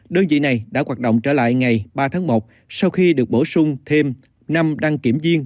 đơn vị này đã hoạt động trở lại ngày ba tháng một sau khi được bổ sung thêm năm đăng kiểm viên